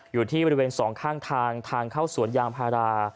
อยู่ที่บริเวณสองข้างทางทางเข้าสวนยางพารา